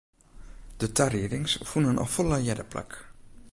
De tariedings fûnen al folle earder plak.